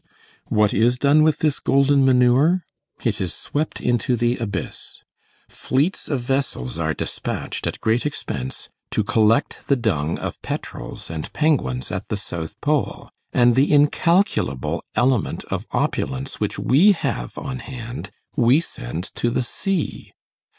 What is done with this golden manure? It is swept into the abyss. Fleets of vessels are despatched, at great expense, to collect the dung of petrels and penguins at the South Pole, and the incalculable element of opulence which we have on hand, we send to the sea.